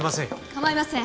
構いません